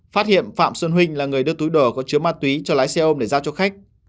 phát hiện phạm xuân huynh là người đưa túi đò có chứa ma túy cho lái xe ôm để giao cho khách